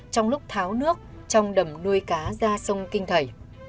trong lúc tháo nước trong đầm nuôi cá ra sông kinh thầy